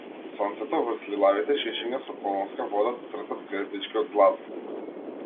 Сонцето врз лилавите шишиња со колонска вода црта ѕвездички од злато.